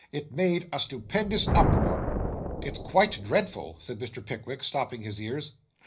It made a stupendous uproar. 'It's quite dreadful,' said Mr. Pickwick, stopping his ears.